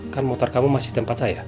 kan motor kamu masih tempat saya